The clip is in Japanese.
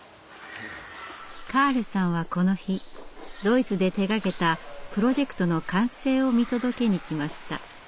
カールさんはこの日ドイツで手がけたプロジェクトの完成を見届けにきました。